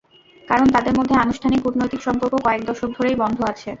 কারণ, তাঁদের মধ্যে আনুষ্ঠানিক কূটনৈতিক সম্পর্ক কয়েক দশক ধরেই বন্ধ আছে।